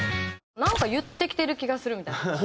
なんか言ってきてる気がするみたいな。